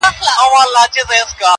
او بیا د معشوقي سره په هوټل کې